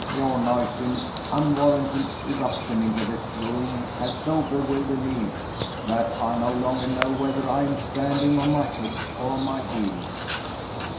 Your noisy and unwarranted irruption into this room has so bewildered me that I no longer know whether I am standing on my head or on my heels."